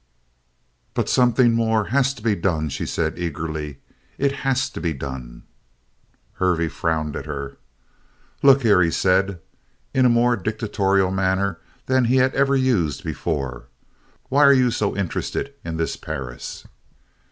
"But something more has to be done," she said eagerly. "It has to be done!" Hervey frowned at her. "Look here," he said, in a more dictatorial manner than he had ever used before. "Why you so interested in this Perris?"